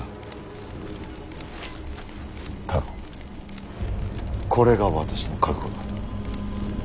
太郎これが私の覚悟だ。